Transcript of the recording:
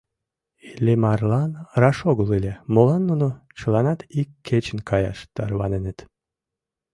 Иллимарлан раш огыл ыле, молан нуно чыланат ик кечын каяш тарваненыт.